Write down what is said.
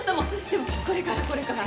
でもこれからこれから。